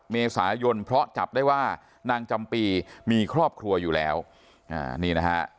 เมษายนเพราะจับได้ว่านางจำปีมีครอบครัวอยู่แล้วนี่นะฮะ